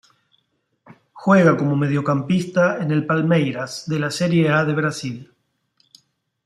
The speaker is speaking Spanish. Juega como mediocampista en el Palmeiras de la Serie A de Brasil.